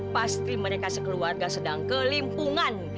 pasti mereka sekeluarga sedang kelimpungan